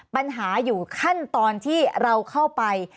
ปัญหาอยู่ขั้นตอนที่เราเข้าไป